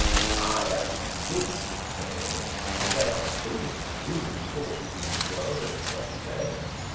" I am convinced,'* said Hilbert, " that there are two ruling forces in this world at the present day.